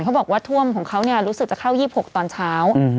เขาบอกว่าท่วมของเขารู้สึกจะเข้า๒๖ตอนเช้า